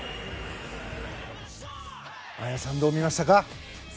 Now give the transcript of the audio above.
綾さん、どう見ましたか？